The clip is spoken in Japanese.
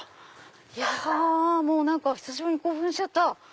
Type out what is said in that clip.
いや久しぶりに興奮しちゃった。